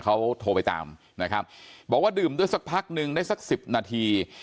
เขาโทรไปตามนะครับบอกว่าดื่มด้วยสักพักนึงได้สักสิบนาที